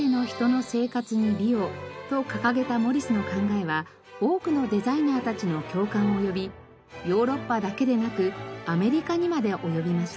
と掲げたモリスの考えは多くのデザイナーたちの共感を呼びヨーロッパだけでなくアメリカにまで及びました。